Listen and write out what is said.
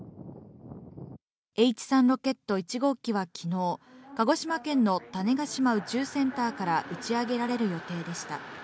Ｈ３ロケット１号機は昨日、鹿児島県の種子島宇宙センターから打ち上げられる予定でした。